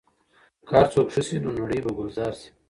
که هر څوک ښه شي، نو نړۍ به ګلزار شي.